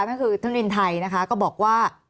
นั่นคือท่านรินไทยนะคะก็บอกว่า